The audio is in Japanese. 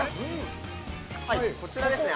◆こちらですね。